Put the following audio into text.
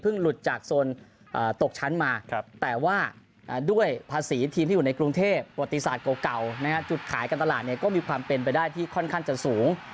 เพิ่งหลุดจากโทคชั้นมาแต่ว่าด้วยภาษีทีมที่อยู่ในกรุงเทพฯบริษัทเก่าอยู่ในจุดขายการตลาดนี้ก็มีความเป็นไปได้ที่ค่อนข้างจะสูง